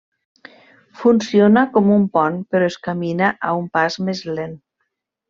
Funciona com un pont, però es camina a un pas més lent.